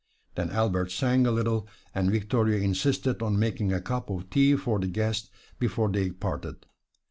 Then Albert sang a little, and Victoria insisted on making a cup of tea for the guest before they parted.